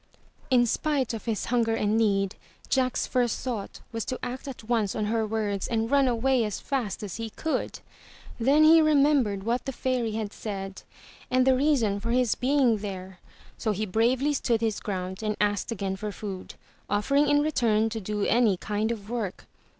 *' In spite of his hunger and need. Jack's first thought was to act at once on her words, and run away as fast as he could. Then he remembered what the Fairy had said, and the reason for his being there. So he bravely stood his ground, and asked again for food, offering in return to do any kind of work.